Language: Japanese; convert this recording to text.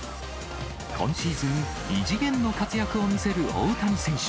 今シーズン、異次元の活躍を見せる大谷選手。